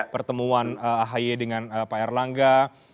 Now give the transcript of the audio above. pertemuan ahy dengan pak erlangga